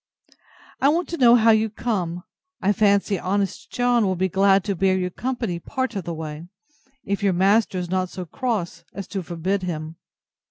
I want to know how you come. I fancy honest John will be glad to bear you company part of the way, if your master is not so cross as to forbid him.